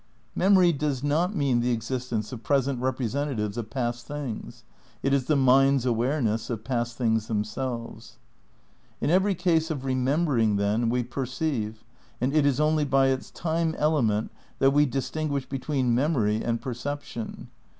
... Memory does not mean the existence of present representatives of past things. It is the mind's awareness of past things themselves." ' In every case of remembering, then, we perceive, and it is only by its time element that we distinguish be tween memory and perception.